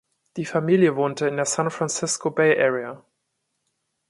Die Familie wohnt in der San Francisco Bay Area.